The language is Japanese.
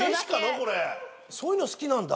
これそういうの好きなんだ？